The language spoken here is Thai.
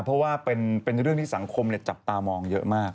เพราะว่าเป็นเรื่องที่สังคมจับตามองเยอะมาก